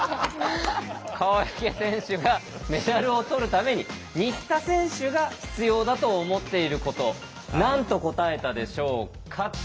川除選手がメダルを取るために新田選手が必要だと思っていること何と答えたでしょうか？